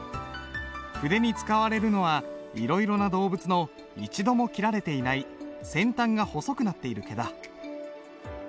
筆に使われるのはいろいろな動物の一度も切られていない先端が細くなっている毛だ。